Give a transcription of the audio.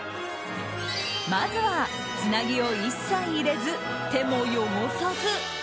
まずは、つなぎを一切入れず手も汚さず。